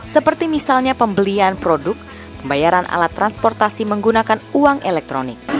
seperti misalnya pembelian produk pembayaran alat transportasi menggunakan uang elektronik